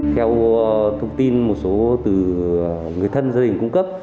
theo thông tin một số từ người thân gia đình cung cấp